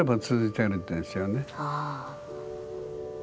ああ。